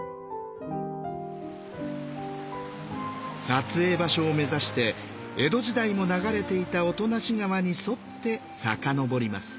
撮影場所を目指して江戸時代も流れていた音無川に沿って遡ります。